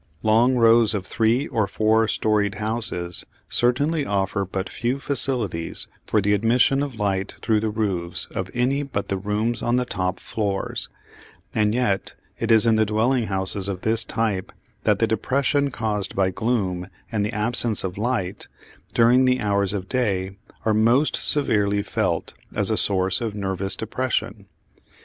Long rows of three or four storied houses certainly offer but few facilities for the admission of light through the roofs of any but the rooms on the top floors, and yet it is in the dwelling houses of this type that the depression caused by gloom and the absence of light during the hours of day are most severely felt as a source of nervous depression.